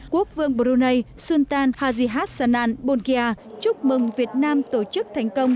quốc vương brunei xuân tàn hà di hát sanan bôn kia chúc mừng việt nam tổ chức thành công